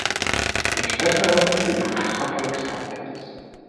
Ik steun daarom dit gemeenschappelijk standpunt.